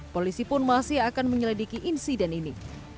polisi pun masih akan menyelidiki insiden ini